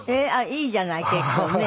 いいじゃない結構ね。